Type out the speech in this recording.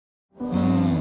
うん。